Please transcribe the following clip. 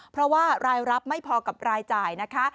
เพราะว่ารายรับไม่พอกับรายจ่ายนะคะ